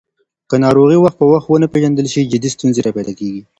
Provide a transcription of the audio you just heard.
که ناروغي وخت په وخت ونه پیژندل شي، جدي ستونزې راپیدا کېږي.